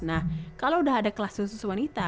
nah kalau udah ada kelas khusus wanita